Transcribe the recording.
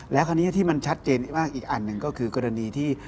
แล้วคราวนี้ที่มันชัดเจนมากอีกอันหนึ่งก็คือกรณีที่